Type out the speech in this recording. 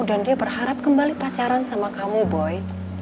dan dia berharap kembali pacaran sama kamu boy